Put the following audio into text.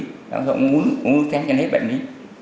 tại sao ông muốn xin chích ngừa bệnh đi